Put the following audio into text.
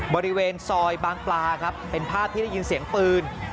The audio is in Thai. บริเวณซอยบางปลาครับเป็นภาพที่ได้ยินเสียงปืน